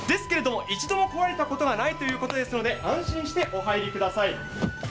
一度も壊れたことがないということですので、安心してお入りください。